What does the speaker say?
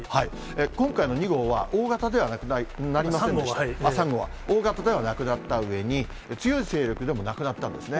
今回の２号は大型ではなくなり、３号は大型ではなくなったうえに、強い勢力でもなくなったんですね。